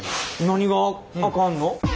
何があかんの？